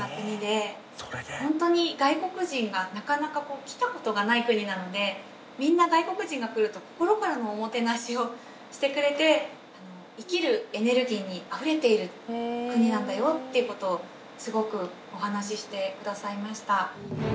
ホントに外国人がなかなか来た事がない国なのでみんな外国人が来ると心からのおもてなしをしてくれて生きるエネルギーにあふれている国なんだよっていう事をすごくお話ししてくださいました。